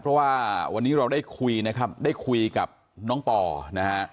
เพราะว่าวันนี้เราได้คุยนะครับได้คุยกับน้องปอนะฮะ